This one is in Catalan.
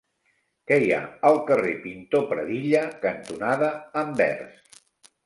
Què hi ha al carrer Pintor Pradilla cantonada Anvers?